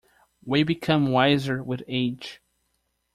We become wiser with age.